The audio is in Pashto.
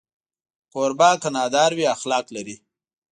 کوربه که نادار وي، اخلاق لري.